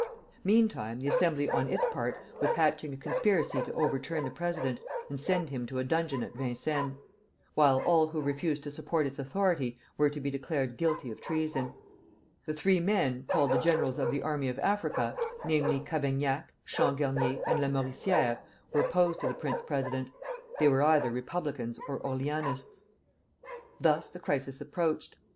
Meantime the Assembly on its part was hatching a conspiracy to overturn the president and send him to a dungeon at Vincennes; while all who refused to support its authority were to be declared guilty of treason. The three men called the generals of the Army of Africa, namely, Cavaignac, Changarnier, and Lamoricière, were opposed to the prince president. They were either Republicans or Orleanists. Thus the crisis approached.